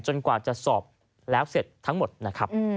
กว่าจะสอบแล้วเสร็จทั้งหมดนะครับ